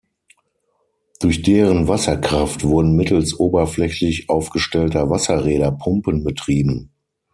Durch deren Wasserkraft wurden mittels oberflächlich aufgestellter Wasserräder Pumpen betrieben.